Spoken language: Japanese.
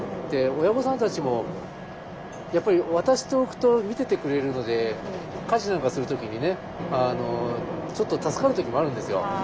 親御さんたちもやっぱり渡しておくと見ててくれるので家事なんかする時にねちょっと助かる時もあるんですよ。